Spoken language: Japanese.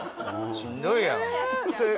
しんどいやんえ